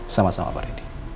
sama sama pak randy